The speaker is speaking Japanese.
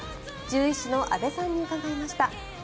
獣医師の阿部さんに伺いました。